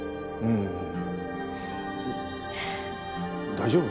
大丈夫？